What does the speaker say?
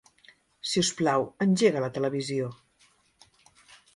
Si us plau, engega la televisió.